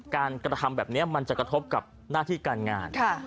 การกระทำแบบนี้มันจะกระทบกับหน้าที่การงาน